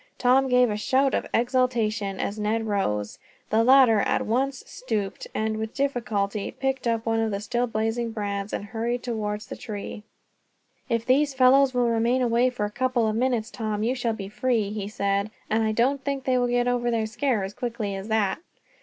Tom gave a shout of exultation, as Ned rose. The latter at once stooped and, with difficulty, picked up one of the still blazing brands, and hurried towards the tree. "If these fellows will remain away for a couple of minutes, Tom, you shall be free," he said, "and I don't think they will get over their scare as quickly as that."